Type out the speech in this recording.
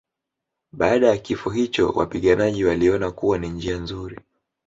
Baada ya kifo hicho wapiganaji waliona kuwa ni njia nzuri